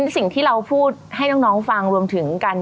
สิ่งที่เราพูดให้น้องฟังรวมถึงกัน